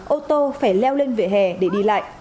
ô tô phải leo lên vệ hẻ để đi lại